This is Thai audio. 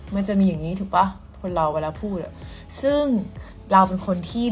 มันจะมีอย่างงี้ถูกป่ะคนเราเวลาพูดอ่ะซึ่งเราเป็นคนที่